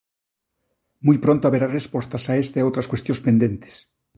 Moi pronto haberá respostas a esta e a outras cuestións pendentes.